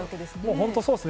本当にそうですね。